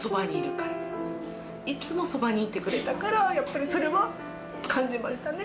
いつもそばにいてくれたからやっぱりそれは感じましたね